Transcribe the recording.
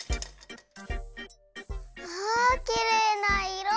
わきれいないろ！